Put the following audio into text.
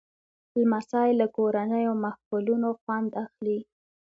لمسی له کورنیو محفلونو خوند اخلي.